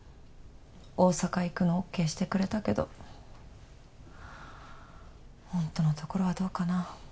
大阪行くのＯＫしてくれたけどほんとのところはどうかな？